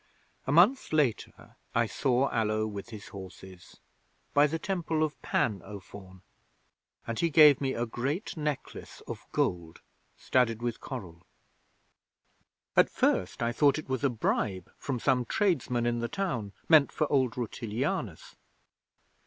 'A month later I saw Allo with his horses by the Temple of Pan, O Faun and he gave me a great necklace of gold studded with coral. 'At first I thought it was a bribe from some tradesman in the town meant for old Rutilianus.